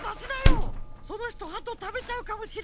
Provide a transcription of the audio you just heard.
そのひとハトたべちゃうかもしれないじゃない！